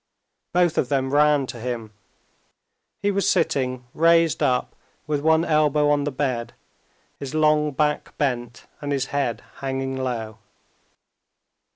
Both of them ran to him. He was sitting raised up with one elbow on the bed, his long back bent, and his head hanging low.